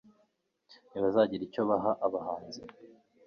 ntibazagira icyo baha abanzi